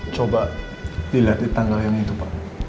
coba dilihat di tanggal yang itu pak